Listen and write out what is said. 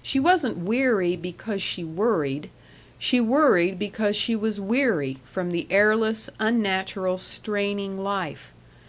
She wasn't weary because she worried; she worried because she was weary from the airless, unnatural, straining life.